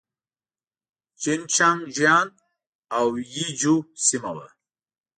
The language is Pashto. جين چنګ جيانګ او يي جو سيمه وه.